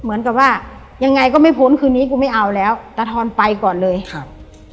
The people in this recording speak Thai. เหมือนกับว่ายังไงก็ไม่พ้นคืนนี้กูไม่เอาแล้วตาทอนไปก่อนเลยครับ